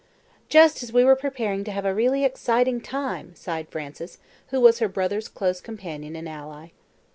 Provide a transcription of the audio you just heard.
"Just as we were preparing to have a really exciting time," sighed Frances, who was her brother's close companion and ally.